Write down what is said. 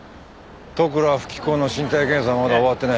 利倉富貴子の身体検査はまだ終わってない。